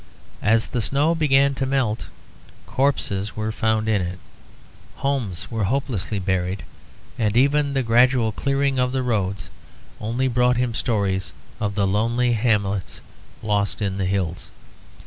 As the snow began to melt corpses were found in it, homes were hopelessly buried, and even the gradual clearing of the roads only brought him stories of the lonely hamlets lost in the hills.